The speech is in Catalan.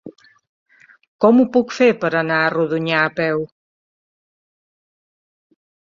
Com ho puc fer per anar a Rodonyà a peu?